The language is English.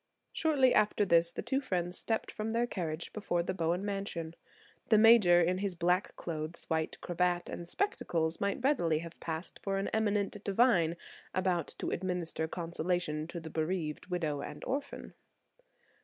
Shortly after this the two friends stepped from their carriage before the Bowen mansion. The Major, in his black clothes, white cravat and spectacles might readily have passed for an eminent divine about to administer consolation to the bereaved widow and orphan.